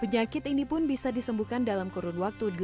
penyakit ini pun bisa disembuhkan dengan penyakit yang berbeda